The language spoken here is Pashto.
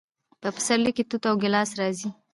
په پسرلي کې توت او ګیلاس راځي.